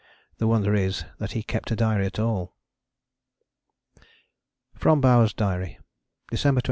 The wonder is that he kept a diary at all. From Bowers' Diary December 22.